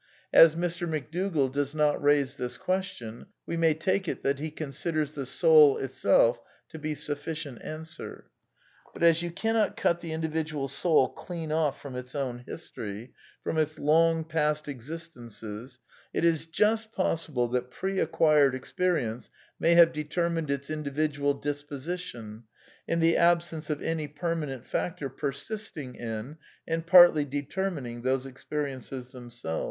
As Mr. McDougall does not raise this question, we may take it that he considers " the soul itself " to be suflScient answer. But, as you cannot cut the individual soul clean off from its own history, from its long past existences, it is just possible that preacquired experience may have determined its individual " disposition," in the absence of any perma nent factor persisting in and partly determining those ex periences themselves.